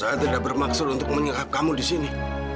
saya tidak bermaksud untuk menyikap kamu di sini